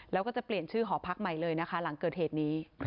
แล้วก็จะเปลี่ยนชื่อหอพักใหม่เลยนะคะหลังเกิดเหตุนี้